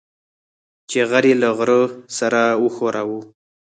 چې غر يې له غره سره وښوراوه.